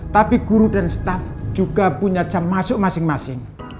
tapi guru dan staff juga punya jam masuk masing masing